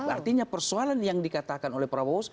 artinya persoalan yang dikatakan oleh prabowo